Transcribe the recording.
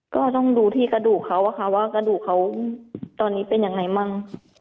ก็ต้องดูที่กระดูกเขาอะค่ะว่ากระดูกเขาตอนนี้เป็นยังไงมั่ง